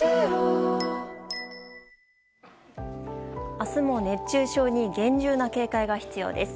明日も熱中症に厳重な警戒が必要です。